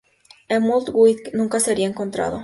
Helmut Wick nunca sería encontrado.